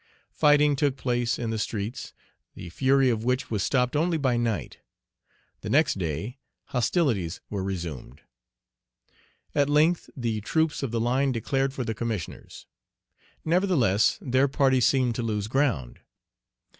Fighting took place in the streets, the fury of which was stopped only by night. The next day, hostilities were resumed. At length the troops of the line declared for the Commissioners. Nevertheless, their party seemed to lose ground.